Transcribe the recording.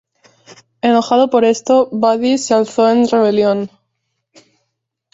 Enojado por esto, Badi 'se alzo en rebelión.